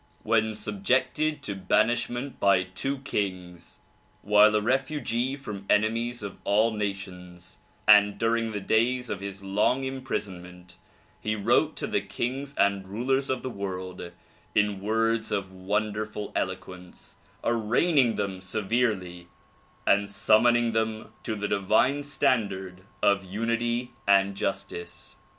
When subjected to banishment by two kings, while a refugee from enemies of all nations and during the days of his long imprisonment he wrote to the kings and rulers of the world in words of wonderful eloquence arraigning them severely and summoning them to the divine standard of unity and justice.